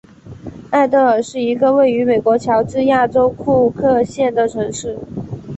艾得尔是一个位于美国乔治亚州库克县的城市。